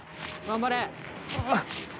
頑張れ！